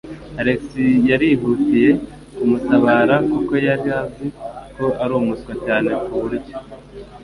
Alex yarihutiye kumutabara kuko yari azi ko ari umuswa cyane ku buryo